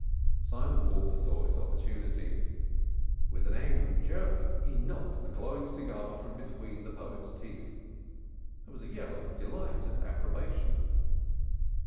Simon Wolf saw his opportunity. With an angry jerk he knocked the glowing cigar from between the poet's teeth. There was a yell of delight and approbation.